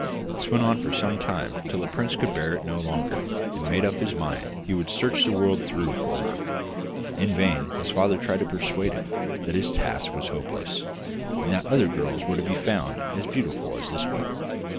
This went on for some time, till the prince could bear it no longer, and made up his mind he would search the world through for her. In vain his father tried to persuade him that his task was hopeless, and that other girls were to be found as beautiful as this one.